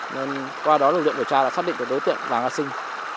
nên qua đó lực lượng điều tra đã xác định được đối tượng giàng a sinh